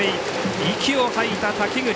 息を吐いた滝口。